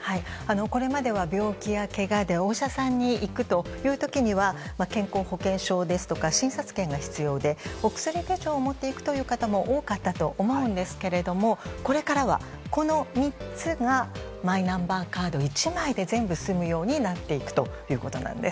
これまでは病気やけがでお医者さんに行く時には健康保険証ですとか診察券が必要でお薬手帳を持っている方も多かったと思うんですがこれからは、この３つがマイナンバーカード１枚で全部済むようになっていくということです。